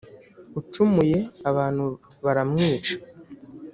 ucumuye abantu bara mwica.